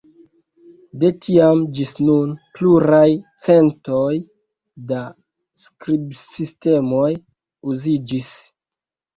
De tiam ĝis nun pluraj centoj da skribsistemoj uziĝis.